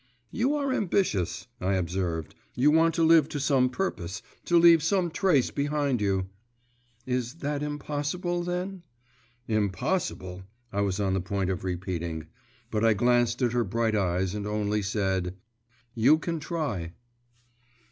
'You are ambitious,' I observed. 'You want to live to some purpose, to leave some trace behind you.…' 'Is that impossible, then?' 'Impossible,' I was on the point of repeating.… But I glanced at her bright eyes, and only said: 'You can try.